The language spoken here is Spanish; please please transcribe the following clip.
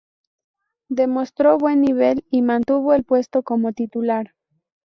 Demostró buen nivel y mantuvo el puesto como titular.